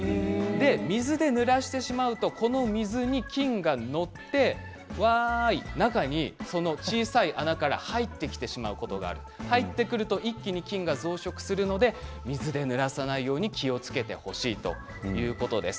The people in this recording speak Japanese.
水でぬらしてしまうとこの水に菌が乗って中に、小さい穴から入ってきてしまうことがある入ってくると一気に菌が増殖するので水にぬらさないように気をつけてほしいということです。